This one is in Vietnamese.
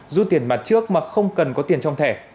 rút tiền mặt trước mà không cần có tiền trong thẻ